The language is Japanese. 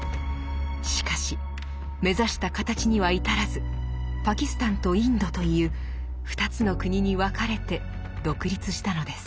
しかし目指した形には至らずパキスタンとインドという２つの国に分かれて独立したのです。